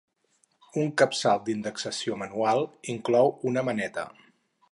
Un capçal d'indexació manual inclou una maneta.